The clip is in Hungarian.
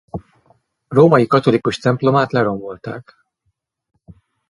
Római katolikus templomát lerombolták.